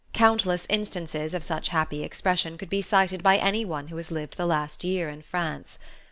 Countless instances of such happy expression could be cited by any one who has lived the last year in France.